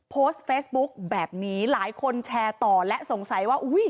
โพสเฟซกแบบนี้หลายคนแชร์ต่อและสงสัยว่า